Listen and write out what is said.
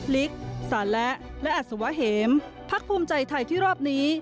ลิกสารและและอัศวะเหมพักภูมิใจไทยที่รอบนี้